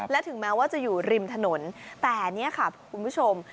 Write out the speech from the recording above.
และถึงแม้ว่าจะอยู่ริมถนนแต่นี่ค่ะคุณผู้ชม